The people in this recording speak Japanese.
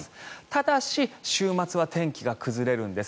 ただし週末は天気が崩れるんです。